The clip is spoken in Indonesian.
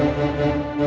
itu apa apa